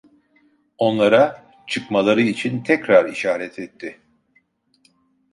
Onlara, çıkmaları için, tekrar işaret etti.